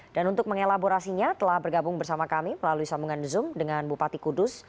dan untuk mengelaborasinya telah bergabung bersama kami melalui sambungan zoom dengan bupati kudus